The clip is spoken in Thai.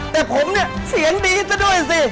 แต่ผมเนี่ยเสียงดีซะด้วยสิ